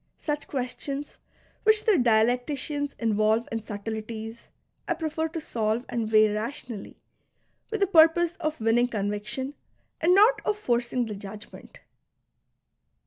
Such questions, which the dialecticians involve in subtleties, I prefer to solve and weigh I'ationally, with the purpose of winning conviction and not of forcing the judgment.